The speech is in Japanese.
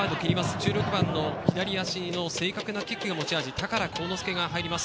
１６番の左足の正確なキックが持ち味、高良幸之介が入ります。